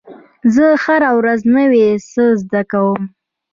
زه هره ورځ نوی څه زده کوم.